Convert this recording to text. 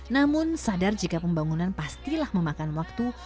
namun sadar jika pembangunan pastilah memakan waktu